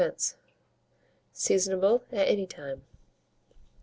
Seasonable at any time.